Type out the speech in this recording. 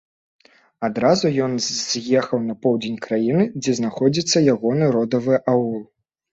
Адразу ён з'ехаў на поўдзень краіны, дзе знаходзіцца ягоны родавы аул.